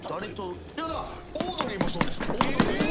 だからオードリーもそうですよ。